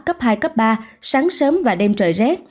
các tỉnh tây bắc cấp hai cấp ba sáng sớm và đêm trời rét